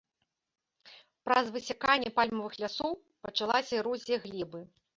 Праз высяканне пальмавых лясоў пачалася эрозія глебы.